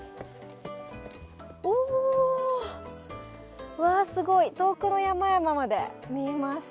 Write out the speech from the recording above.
おーっ、わーすごい遠くの山々まで見えます。